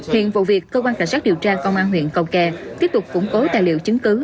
hiện vụ việc cơ quan cảnh sát điều tra công an huyện cầu kè tiếp tục củng cố tài liệu chứng cứ